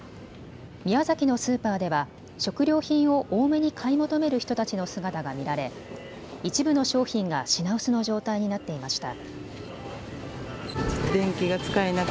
宮崎のスーパーでは食料品を多めに買い求める人たちの姿が見られ、一部の商品が品薄の状態になっていました。